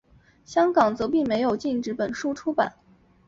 香港则并没有禁止本书出版。